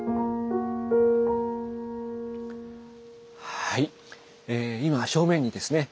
はい今正面にですね